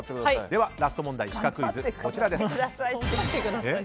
ではラスト問題のシカクイズです。